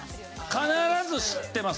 必ず知ってます。